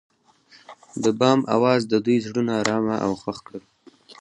د بام اواز د دوی زړونه ارامه او خوښ کړل.